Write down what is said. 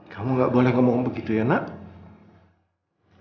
kamu gak boleh ngomong begitu ya nak